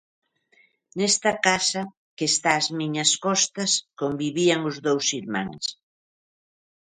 Nesta casa que está ás miñas costas convivían os dous irmáns.